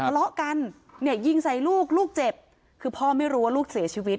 ทะเลาะกันเนี่ยยิงใส่ลูกลูกเจ็บคือพ่อไม่รู้ว่าลูกเสียชีวิต